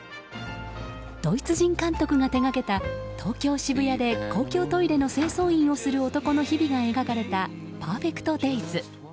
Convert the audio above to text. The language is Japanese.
ドイツ人監督が手がけた東京・渋谷で公共トイレの清掃員をする男の日々が描かれた「ＰＥＲＦＥＣＴＤＡＹＳ」。